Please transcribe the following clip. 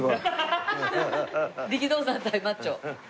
力道山対マッチョ。